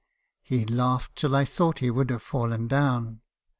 He laughed till I thought he would have fallen down.